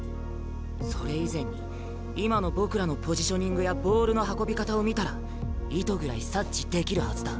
それ以前に今の僕らのポジショニングやボールの運び方を見たら意図ぐらい察知できるはずだ。